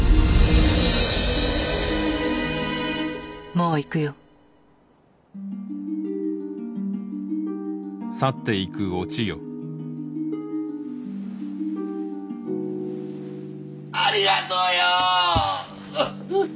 もう行くよ。ありがとよ！